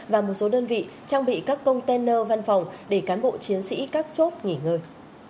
và một số đơn vị trang bị các container văn phòng để cán bộ chiến sĩ các chốt nghỉ ngơi